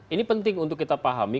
ini penting untuk kita pahami